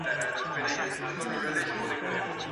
انجینري پوهنځۍ له اجازې پرته نه کارول کیږي.